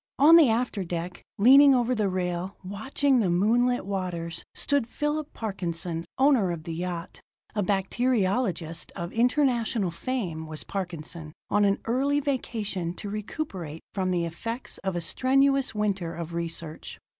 On the after deck, leaning over the rail, watching the moonlit waters, stood Phillip Parkinson, owner of the yacht. A bacteriologist of international fame was Parkinson, on an early vacation to recuperate from the effects of a strenuous winter of research.